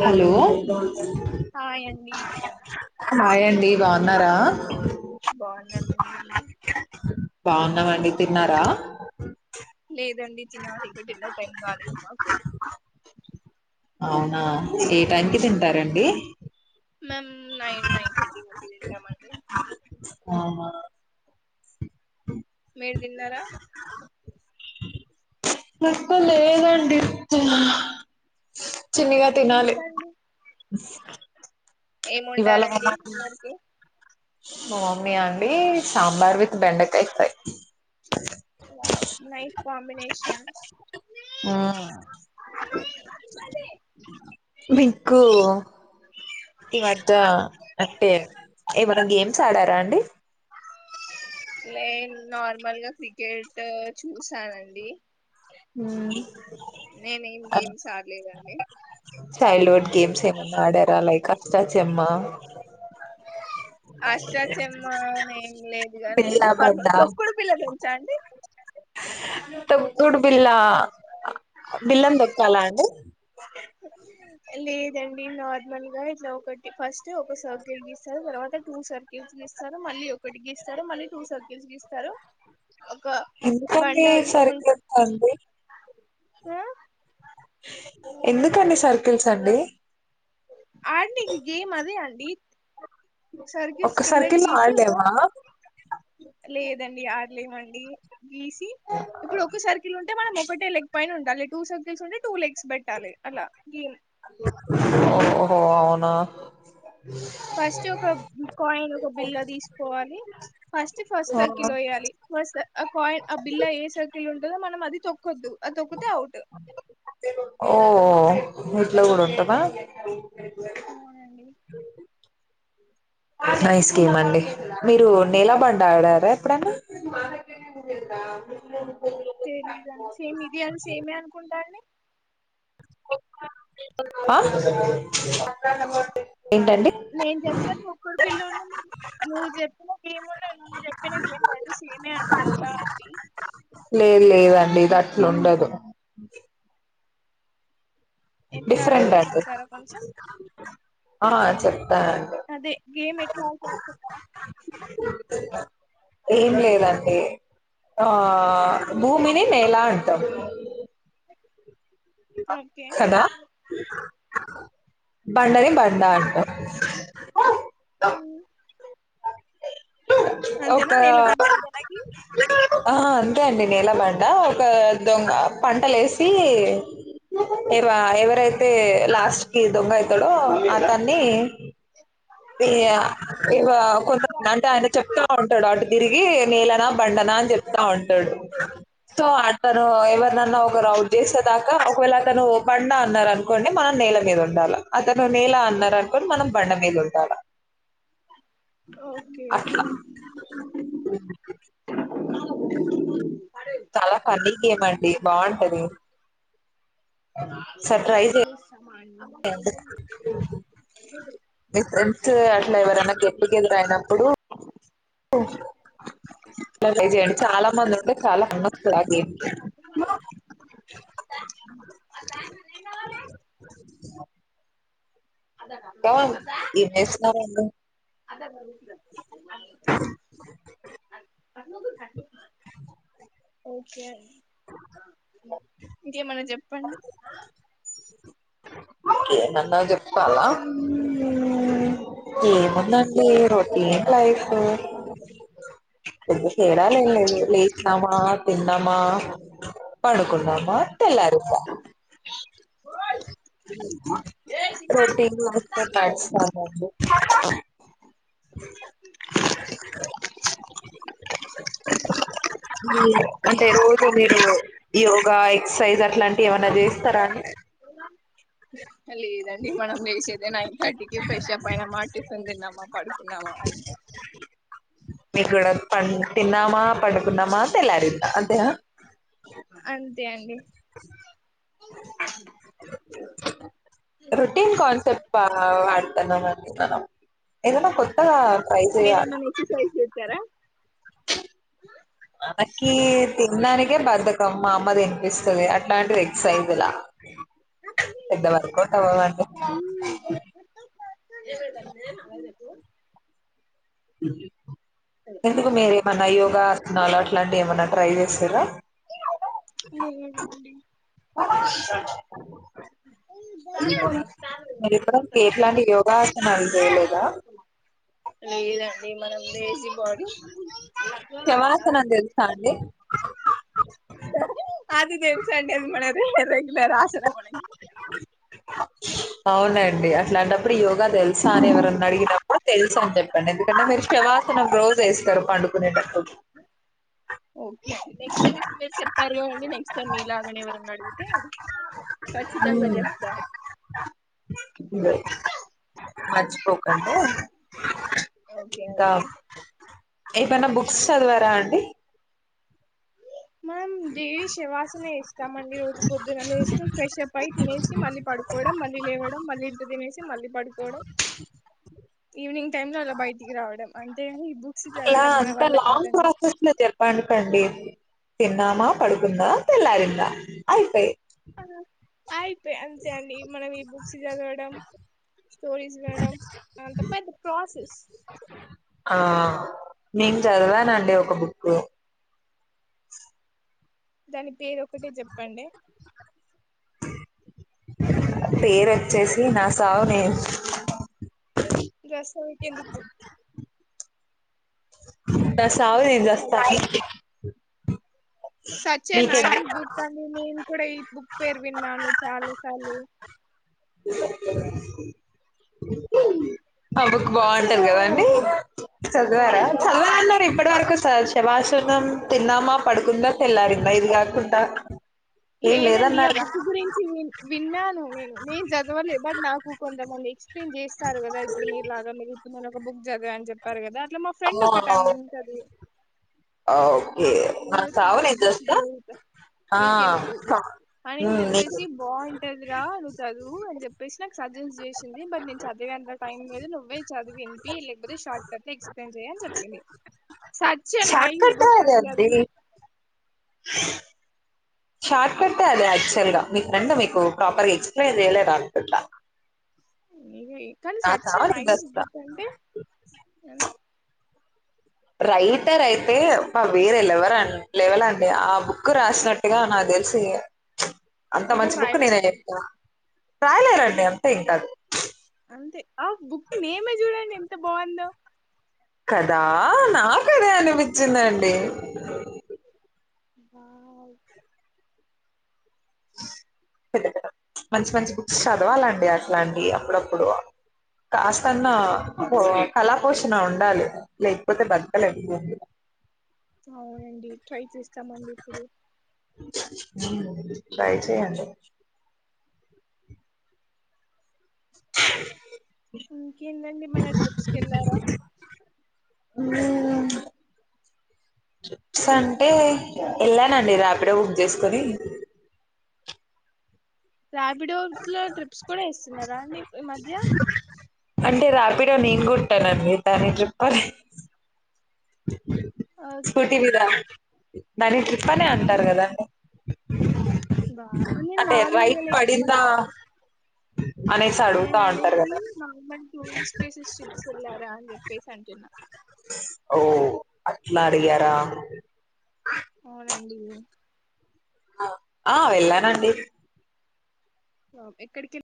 Hello hi అండి hi అండి బాన్నారా బాన్నానండి మీరండి బాగున్నావండి తిన్నారా లేదండి తినాల ఇంకా డిన్నర్ టైం కాలేదు మాకు అవునా ఏ టైంకి తింటారండి మేం నైన్ నైన్ థర్టీ కి తింటమండి అవునా మీరు తిన్నారా మక్క లే దండి చిన్నిగా తినాలి ఇవాళ మా ఏముండారండి డిన్నర్ కి మా మమ్మీ ఆ అండి సాంబార్ విత్ బెండకాయి ఫ్రై నైస్ కాంబినేషన్ వింకు ఇ వద్ద అంటే ఏమైనా గేమ్స్ ఆడారా అండి లేైన్ నార్మల్గా క్రికెట్ చూసానండి హు నేనేం గేమ్స్ ఆడలేదండి చైల్డ్హుడ్ గేమ్స్ ఏమన్నా ఆడా లైక్ అష్టా చమ్మా అష్టా చమ్మా ఏం లేదు గాని బిల్లా నార్మల్ తొక్కుడు బిల్ల తెలుసా అండి తొకుడు బిల్లా బిల్లం తొక్కాలా అండి లేదండి నార్మల్ గా ఇట్లా ఒకటి ఫస్ట్ ఒక సర్కిల్ గీస్తారు తర్వాత టూ సర్కిల్స్ గీస్తారు మళ్ళీ ఒకటి గీస్తారు మళ్ళీ టూ సర్కిల్స్ గీస్తారు ఒక ఎకండి బండ సరిస్త తీసుకుంటారు అండి ఆ ఎందుకండి సర్కిల్స్ అండి ఆడి గేమ్ అదే అండి సర్కిల్ ఒక్క కింద సర్కిల్ లో గీసి ఒక ఆడలేమా లేదండి ఆ లేమండి గీసి ఇప్పుడు ఒక్క సర్కిల్ అంటే మనం ఒకటే లెగ్ పైన ఉండాలి టూ సర్కిల్స్ ఉంటే టూ లెగ్స్ పెట్టాలి అలా ఓహహో అవునా ఫస్ట్ ఒక కాయిన్ ఒక బిల్లా తీసుకోవాలి ఫస్ట్ ఫస్ట్ సర్కిల్ వేయాలి ఫస్ ఆ కాయిన్ ఆ బిల్ల ఏ సర్కిల్ ఉంటుందో మనం అది తోకదు అది తొకు ఓ ఇట్ల కూడా ఉంటదా అవునండి నైస్ గేమ్ అండి మీరు నీలా బండ్ ఆడారా ఎప్పుడైనా [unintelligible] తెలిదుండి సేమ్ ఇది అని సేమే అనుకుంటా అండి నమస్తే నేను చెప్పిన తుకుడు బిల్లున్నా నువ్వు చెప్పిన గేమ్ ఉన్నా నువ్ను చెప్పిన గేమ్ండి సేమ్ ఆ అనుకుంటాండి లే లే ఆట్లు ఉండదు ఎట్లా డిఫరెంట్ ఆడతారో ఐతే చెప్తారా కొంచెం ఆ సరే అదే గేమ్ ఎట్లా ఆడతార చెప్పరా ఏం లేదండి ఆ భూమినీ నెలా అంటరు ఓకే కదా బండని బండ అంట మ్మ్ ఒక అంతేనా నీలబండ ఇదేనాకి ఆ అంతే అండి నీలబండ ఒక దొంగ పంటలేసి ఇవ ఎవరైతే లాస్ట్ కి దొంగ అయితాడో అతన్ని ఇ ఆ! ఇ కొంతమంది అంటే ఆయన చెప్తా ఉంటాడు అటు తిరిగి నీలన బండన అని చెప్తా ఉంటాడు ఓకే సో అతను ఎవరినన్నా ఒక ఔట్ చేసేదాకా ఒకవేళ అతను బండ అన్నారు అనుకోండి మనం నేల మీద ఉండాలి అ ము ఎలా అన్నారు అనుకోని మనం బండ మీద ఉండాల ఓకే ఓకే అ చాలా ఫన్నీ గేమ్ మండి బాగుంటది ఒకసారి ట్రై చేయండి [inaudible] మీ ఫ్రెంస్ అట్లా ఎవరైనా అయినప్పుడు చేయండి చాలా మంది ఉంటే చాలా అమ అదా ఇంకా ఏం చేస్తున్నారండి అదా అదే ఓకే ఏమన్నా చెప్పండి కే ఏమన్నా చెపలా ఏముందండి రొటీన్ లైఫ్ ఏది కేడల లెచ్నామా తిన్నమా పడుకున్నమ తెల్లరింధ రూటిన్ లైఫ్ [inaudible] అంటే రోజు మీరు యోగా ఎక్సర్సైజ్ అట్లాంటివి ఏమన్నా చేస్తారా అండీ లేదండి మనం లేసేదే నైన్ థర్టీకి ఫ్రెష్ అప్ అయినమ్మా టిఫిన్ తిన్నామా పడు [inaudible] అదికే మీక్కడ పం తిన్నామా పండుకున్నామా తెల్లరింధ ఆంథే గద అంతే అండి రుటీన్ కాన్సెప్ట్ వడ్తనం అందరం ఏదన్న కొత్తగా ట్రై చేయ మీరేమన్నా ఎక్సర్సైజ్ చేస్తారా అకి తినడానికే బధకమ్ మా అమ్మ తినిపిస్తుంది అ అంటంట ఎక్సైస్లా ఎడి వర్కోట్ అవ్వవుండి [inaudible] ఎందుకు మేర మనయో స్తున్నాలో అట్లాంటి ఏమన్నా ట్రై చేసారా లెధ్ అండి మరి ఇప్పుడ ఎట్లాంటి యోగాసన లేదండి మనం లేజీ బాడీ కమరాస్తనం తెలుస్తా అండి అది తెలుసంది అది మన రెగలర్ ఆసన మన అవునండి అట్లాంటప్పుడు యోగా తెలుసా అని ఎవరన్నా అడిగినప్పుడు తెలుసా అంత చె చెప్పండి ఎందుకంటే మీరు శవాసనం రోజు వేస్తారు పండుకునేటప్పుడు ఓకే నెక్స్ట్ టైరు చెప్ప్పారు కండి నెక్స్ట్ టైమ్ మీలాగనే ఎవరని అడిగితే కాచ్చ తంగా చేప్తా మార్చిపోకాండే ఓకే అండి మన్న బుక్స్ చదివారా అండి మనం డే శవాసన ఇస్తాం అండి రోజు పొద్దునలు వేస్తే స్పెషల్ పై తినేసి మళ్ళీ పడుకో మళ్ళీ లేవడం మళ్ళీ ఇ తినేసి మళ్ళీ పడుకోవడం ఈవినింగ్ టై లో అలా బయటికి రావడం అంతేగాని ఈ బుక్స్ ఇలా చదవడం మన అంత వల్ల లాంగ్ కాదండి ప్రాసెస్ లో చెప్పండకండి తిన్నామా పడుకుందా తెల్లారిందా అయిపోయి ఆ అయిపోయి అంతే అండి మనం ఈ బుక్స్ చదవడం స్టోరీస్ వినడం అదంతా పెద్ద ప్రాసెస్ ఆ నేను చదివానండి ఒక బుక్ దాని పేరు ఒకటే చెప్పండి పేరు వొచ్చేసి నా సావు నేను రా సావుకు ఎందుకు నా సావు నేను నైస్ చస్తా నీకే సచ్చేన మీకెందుకు ఈ బుక్ అండి నేను కూడా ఈ బుక్ పేరు విన్నాను చాలా సార్లు ఆ బుక్ బాగుంటది కదా అండి చదవాల బాగుంటాయి అన్నారు ఇప్పటి వరకు శభాష్ నం తిన్నామా పడుకుందా తెల్లారిందా ఇది కాకుండా ఏం లేదండి ఆ లేదన్నారుగా బుక్ గురించి మీ విన్నాను నేను నేను చదవలే బట్ నాకు కొంతమంది ఎక్స్ప్లెయిన్ చేస్తారు కదా ఇప్పుడు మీరు లాగా మీరు ఇప్పు మొన్న ఒక బుక్ చదివా అని చెప్పారు కదా అట్లా మా ఫ్రెండ్ ఒక టామ్ ఉంటది ఆ ఓకే నా సావు నేను చస్తా ఆ ఉ అనీ హ్మ్. చెప్పేసి నిజం. బాగుంటదిరా నువ్వు చదువు అని చెప్పేసి నాకు చ చేసింది బట్ నేను చదివేంత టైం లేదు నువ్వే చదివి వినిపి లేకపోతే షార్ట్తే ఎక్స్ప్లెయిన్ చేయ అని చెప్పను సచ్ ఏ షార్ట్ నైస్ కట్టే బుక్ అదే అండి అది షార్ట్కట్టే అదే యాక్చువల్ గా మీ ఫ్రెండ్ మీకు ప్రాపర్ గా ఎక్స్ప్లెయిన్ చేయలేదు అనుకుంట కానీ సచ్ ఎ నేను నైస్ చూస్తా బుక్ అంటే ఏ రైటర్ అయితే అబ్బా వేరే లెవర్ లెవలండి ఆ బుక్ రాసినట్టుగా నాది కు తెలిసి అంత ఎవరు మంచి బుక్ నేనే రాయలేరండి రాయలేరండి అంతే ఇంకా అది అంతే ఆ బుక్ నేమ్ ఏ చూడండి ఎంత బాగుందో కదా నా అదే అనిపించింది అండి వావ్ పెద్ద పెద్ద మంచి మంచి బుక్స్ చదవాలండి అట్లావి అప్పుడప్పుడు కాస్తన్నా కళా పోషణ ఉండాలి లేకపోతే బతకలేము అవునండి ట్రై చేస్తామండి ఇప్పుడు ఉ ట్రై చేయండి ఇంకేంటండి ఏమన్నా ట్రిప్స్కి వెళ్ళారా హుమ్ ట్రిప్స్ అంటే వెళ్ళానండి రాపిడే బుక్ చేసుకొని రార్పిడో లో ట్రిప్స్ కూడా ఏస్తున్నారా అండి ఈ మధ్య అంటే రాపిడో నేను కొట్టానండి దాన్ని ట్రిపర్ ఓకే స్కూటీ మీద దాని ట్రిప్ అనే అంటారు కదా అండి వావ్ నేను నార్మల్గా [unintelligible] పడిందా అనేసి అడుగుతా నేను ఉంటారు ఆనేది కదా నార్మల్ టూరిస్ట్ ప్లేసెస్ ట్రీప్ కెల్లార అని చెప్పేసి అంటున్నా ఆవ్ అట్లా అడిగార అవునండి ఆ వెళ్ళానండి ఎక్కడికి